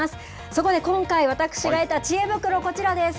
そこで今回、私が得たちえ袋、こちらです。